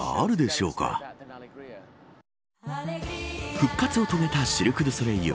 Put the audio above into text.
復活を遂げたシルク・ドゥ・ソレイユ。